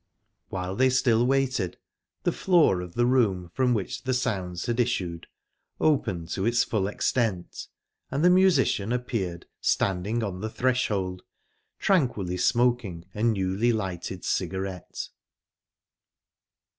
While they still waited, the floor of the room from which the sounds had issued opened to its full extent, and the musician appeared standing on the threshold, tranquilly smoking a newly lighted cigarette.